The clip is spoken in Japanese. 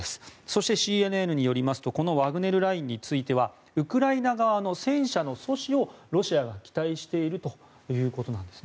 そしてＣＮＮによりますとこのワグネルラインについてウクライナ側の戦車の阻止をロシアが期待しているということです。